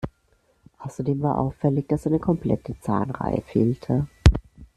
Außerdem war auffällig, dass eine komplette Zahnreihe fehlte.